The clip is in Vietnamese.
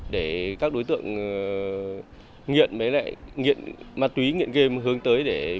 để các đối tượng nghiện với lại nghiện mặt túy nghiện game